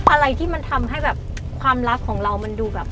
อะไรที่มันทำให้แบบความรักของเรามันดูแบบ